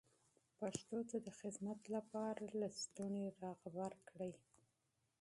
پښتو ته د خدمت لپاره لستوڼي را بډ وهئ.